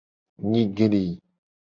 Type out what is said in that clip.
Nyigli.